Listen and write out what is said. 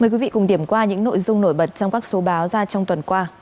mời quý vị cùng điểm qua những nội dung nổi bật trong các số báo ra trong tuần qua